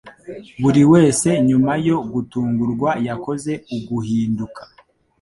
Buriwese nyuma yo gutungurwa yakoze Uguhinduka